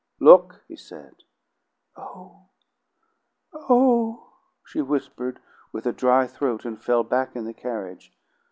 "Look!" he said. "Oh, oh!" she whispered with a dry throat, and fell back in the carriage.